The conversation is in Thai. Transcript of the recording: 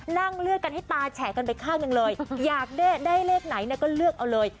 นั่งเลือดกันให้ตาแฉะกันไปข้างหนึ่งเลยอยากได้เลขไหนเนี่ยก็เลือกเอาเลย